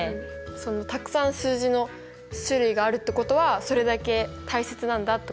たくさん数字の種類があるってことはそれだけ大切なんだってことも。